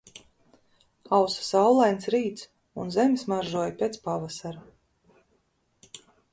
Ausa saulains rīts un zeme smaržoja pēc pavasara